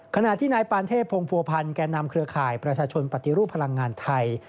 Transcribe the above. ขณะที่นายปานเทพพงภัวพันธ์แก่นำเครือข่ายประชาชนปฏิรูปพลังงานไทย